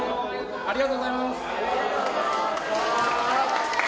ありがとうございます。